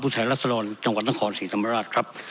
ผู้ชายลักษณ์อร่อยจังหวัดนครสิรรภ์รัชครับ